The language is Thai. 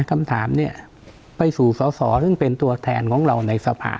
คำถามเนี่ยไปสู่สอสอซึ่งเป็นตัวแทนของเราในสภา